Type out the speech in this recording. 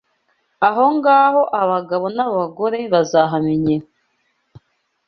Ahongaho abagabo n’abagore bazahamenyera